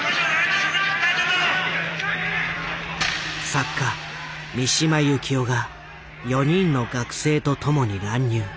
作家三島由紀夫が４人の学生と共に乱入。